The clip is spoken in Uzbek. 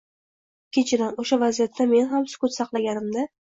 Ikkinchidan, o‘sha vaziyatda men ham sukut saqlaganimda